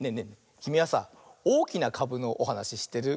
きみはさ「おおきなかぶ」のおはなししってる？